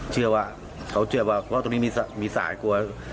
เชื่อว่ากลัวว่าตรงนี้มีศาลกลัวคุย